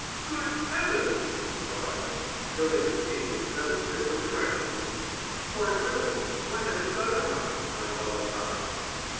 "Good heavens!" he cried, spilling the tea in seven different directions. "Why William, what have you got on?" my mother asked.